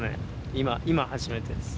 今今初めてです。